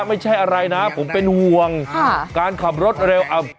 ไม่ใช่อะไรนะผมเป็นห่วงการขับรถเร็ว